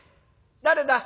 誰だ？